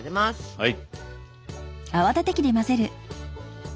はい。